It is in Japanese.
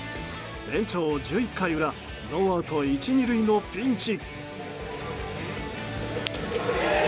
延長１１回裏ノーアウト１、２塁のピンチ。